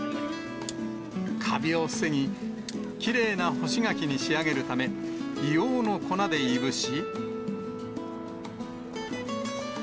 かびを防ぎ、きれいな干し柿に仕上げるため、硫黄の粉でいぶし。